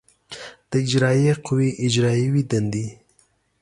د اجرایه قوې اجرایوې دندې